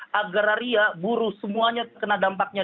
karena agraria buruh semuanya terkena dampaknya